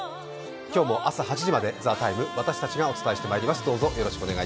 今日も朝８時まで「ＴＨＥＴＩＭＥ，」私たちがお届けしてまいります。